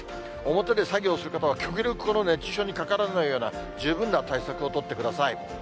表で作業する方は極力この熱中症にかからないような十分な対策を取ってください。